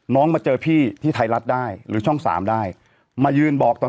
มาเจอพี่ที่ไทยรัฐได้หรือช่องสามได้มายืนบอกตอน